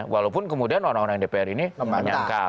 walaupun kemudian orang orang yang dpr ini menyangkal